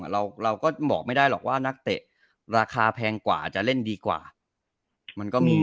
เราก็บอกไม่ได้หรอกว่านักเตะราคาแพงกว่าจะเล่นดีกว่ามันก็มี